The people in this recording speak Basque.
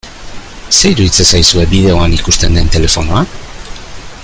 Zer iruditzen zaizue bideoan ikusten den telefonoa?